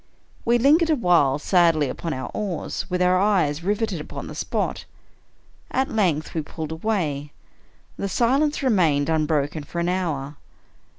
We lingered awhile sadly upon our oars, with our eyes riveted upon the spot. At length we pulled away. The silence remained unbroken for an hour.